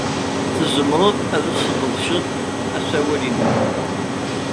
Tzemred ad tesqedced asawal-inu.